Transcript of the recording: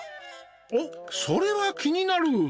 おっそれは気になる。